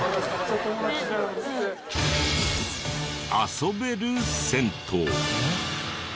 遊べる銭湯。